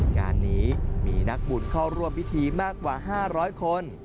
งานนี้มีนักบุญเข้าร่วมพิธีมากกว่า๕๐๐คน